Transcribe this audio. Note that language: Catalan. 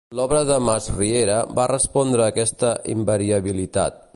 L'obra de Masriera va respondre a aquesta invariabilitat.